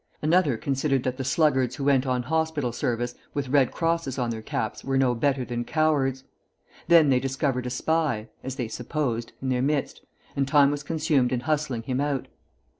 Another considered that the sluggards who went on hospital service with red crosses on their caps were no better than cowards. Then they discovered a spy (as they supposed) in their midst, and time was consumed in hustling him out.